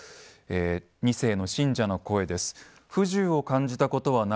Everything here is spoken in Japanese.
２世の信者の声です。